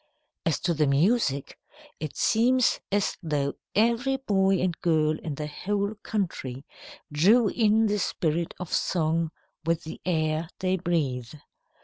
As to the music, it seems as though every boy and girl in the whole country drew in the spirit of song with the air they breathe.